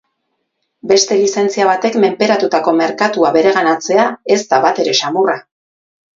Beste lizentzia batek menperatutako merkatua bereganatzea ez da batere samurra.